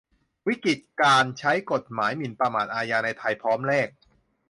วิกฤตการใช้กฎหมายหมิ่นประมาทอาญาในไทย พร้อมแลก